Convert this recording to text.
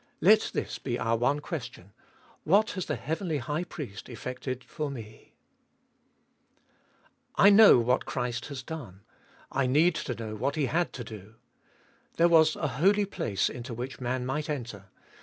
Let this be our one question, What has the heavenly High Priest effected for me ? 2. I know what Christ has done. I need to know what He had to do. There was a Holy Place into which man might enter.